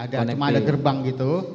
cuma ada gerbang gitu